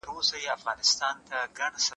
تاسو باید د دغه ناول په اړه نور هم ولولئ.